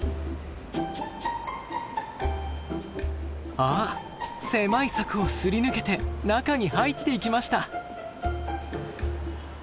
あっ狭い柵をすり抜けて中に入っていきました。